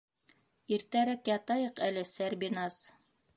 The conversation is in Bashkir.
Иртәрәк ятайыҡ әле, Сәрбиназ.